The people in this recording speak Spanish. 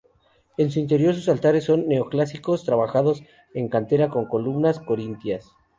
En su interior sus altares son neoclásicos, trabajados en cantera con columnas corintias.